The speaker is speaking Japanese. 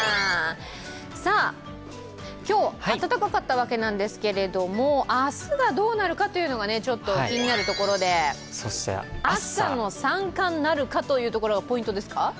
今日、暖かかったわけなんですけれども明日がどうなるのかというのがちょっと気になるところで、朝の三冠なるかというところがポイントですか。